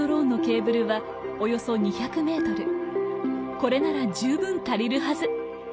これなら十分足りるはず！